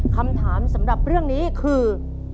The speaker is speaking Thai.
คำถามสำหรับเรื่องนี้คือ